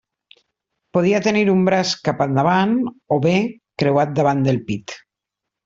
Podia tenir un braç cap endavant o bé creuat davant el pit.